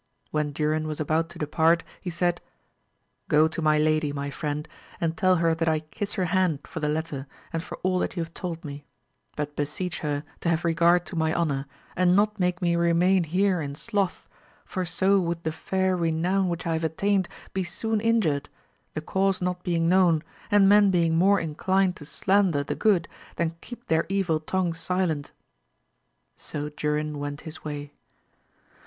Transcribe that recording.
When Durin was about to depart, he said, Go to my lady, my friend, and tell her that I kiss her hand for the letter and for all that you have told me ; but beseech her to have regard to my honour, and not make me remain here in sloth, for so would the fair renown which I have attained be soon injured, the cause not being known, and men being more inclined to slander the good than keep their evil tongues silent. So Durin went his way.